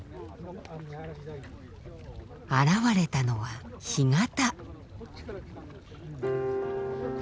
現れたのは干潟。